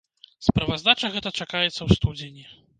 Справаздача гэта чакаецца ў студзені.